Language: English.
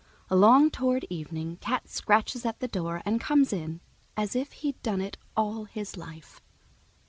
Along toward evening Cat scratches at the door and comes in, as if he'd done it all his life.